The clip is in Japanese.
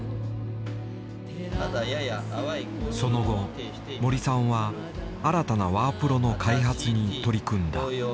その後森さんは新たなワープロの開発に取り組んだ。